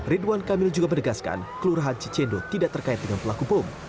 ridwan kamil juga menegaskan kelurahan cicendo tidak terkait dengan pelaku bom